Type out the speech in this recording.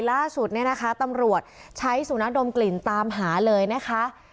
ล่าสุดตำรวจใช้ศูนย์ดมกลิ่นตามหาเลยนะคะ